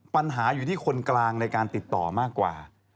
ปัญหาอยู่ที่คนกลางในการติดต่อมากกว่า